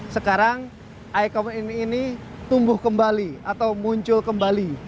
sekarang icon ini tumbuh kembali atau muncul kembali